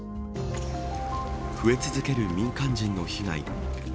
増え続ける民間人の被害。